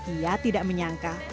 ia tidak menyangka